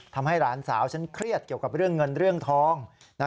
ทำให้หลานสาวฉันเครียดเกี่ยวกับเรื่องเงินเรื่องทอง